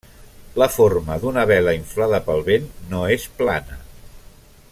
La forma d'una vela inflada pel vent no és plana.